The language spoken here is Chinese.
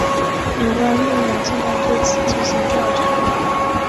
有关部门正在对此进行调查。